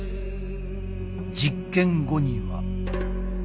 実験後には。